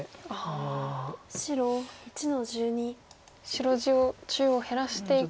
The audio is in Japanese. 白地を中央減らしていく方がと。